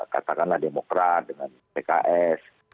katakanlah demokrat dengan pks